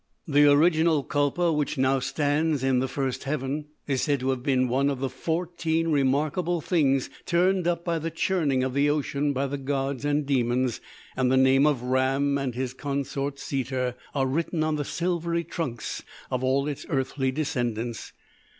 'The original kulpa, which now stands in the first heaven, is said to have been one of the fourteen remarkable things turned up by the churning of the ocean by the gods and demons; and the name of Ram and his consort Seeter are written on the silvery trunks of all its earthly descendants.